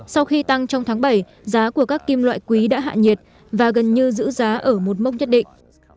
sau khi tăng trong tháng bảy giá của các kim loại quý đã hạ nhiệt và gần như giữ giá ở một mốc nhất định